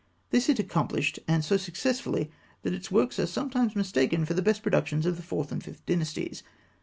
This it accomplished, and so successfully, that its works are sometimes mistaken for the best productions of the Fourth and Fifth Dynasties.